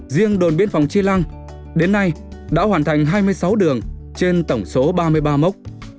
riêng đồn biên phòng chi lăng đến nay đã hoàn thành hai mươi sáu đường trên tổng số ba mươi ba mốc